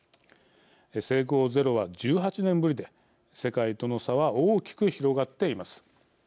成功ゼロは１８年ぶりで世界との差は大きく広がっています。